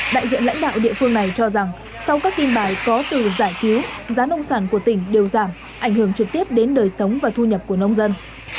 đại diện lãnh đạo địa phương này cho rằng sau các tin bài có từ giải cứu giá nông sản của tỉnh đều giảm ảnh hưởng trực tiếp đến đời sống và thu nhập của nông dân